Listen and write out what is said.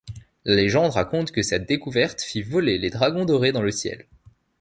La légende raconte que cette découverte fit voler les dragons dorés dans le ciel.